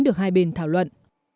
được hai bên thảo luận